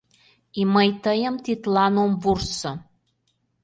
И мый тыйым тидлан ом вурсо.